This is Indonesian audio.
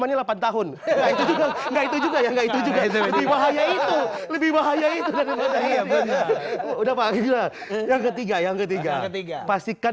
yang ketiga yang ketiga yang ketiga ketiga